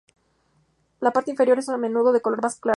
La parte inferior es a menudo de color más claro.